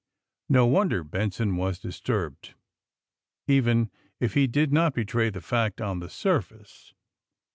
No wonder Benson was disturbed, even if he did not betray the fact on the surface.